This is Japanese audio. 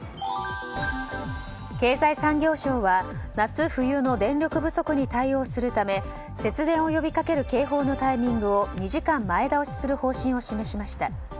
経済産業省は夏冬の電力不足に対応するため節電を呼びかける警報のタイミングを２時間前倒しする方針を示しました。